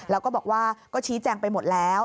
แล้วก็บอกว่าก็ชี้แจงไปหมดแล้ว